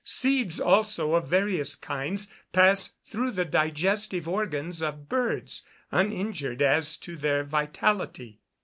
Seeds also of various kinds pass through the digestive organs of birds, uninjured as to their vitality.